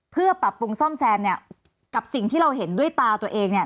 เพื่อปรับปรุงซ่อมแซมเนี่ยกับสิ่งที่เราเห็นด้วยตาตัวเองเนี่ย